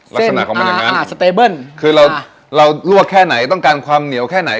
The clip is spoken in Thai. ลักษณะของมันอย่างนั้นอ่าสเตเบิ้ลคือเราเราลวกแค่ไหนต้องการความเหนียวแค่ไหน